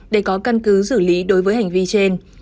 để có căn cứ xử lý đối với hành vi trên